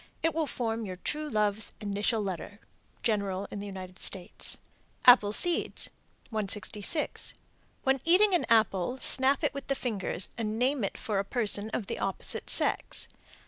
It will form your true love's initial letter. General in the United States. APPLE SEEDS. 166. When eating an apple, snap it with the fingers and name it for a person of the opposite sex.